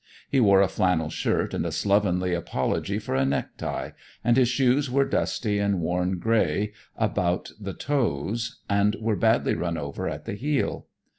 He wore a flannel shirt and a slovenly apology for a necktie, and his shoes were dusty and worn gray about the toes and were badly run over at the heel.